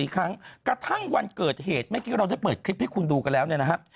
อีกครั้งกระทั่งวันเกิดเหตุเมื่อกี้เราได้เปิดคลิปให้คุณดูกันแล้วเนี่ยนะครับ